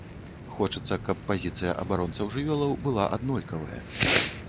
Хочацца, каб пазіцыя абаронцаў жывёлаў была аднолькавая.